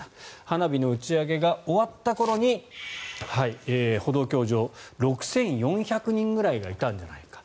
花火の打ち上げが終わった頃に歩道橋上６４００人ぐらいがいたんじゃないか。